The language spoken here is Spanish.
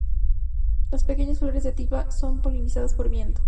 Las pequeñas flores de "Typha" son polinizadas por viento.